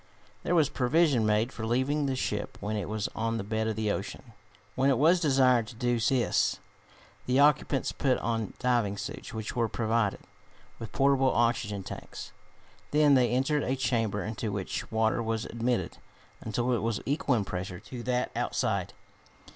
There was provision made for leaving the ship when it was on the bed of the ocean. When it was desired to do this the occupants put on diving suits, which were provided with portable oxygen tanks. Then they entered a chamber into which water was admitted until it was equal in pressure to that outside.